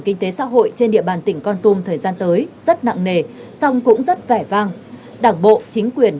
kinh tế xã hội trên địa bàn tỉnh con tum thời gian tới rất nặng nề song cũng rất vẻ vang đảng bộ chính quyền